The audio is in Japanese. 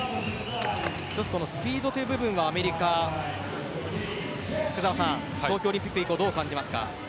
スピードという部分がアメリカ福澤さん、東京オリンピック以降どう感じますか。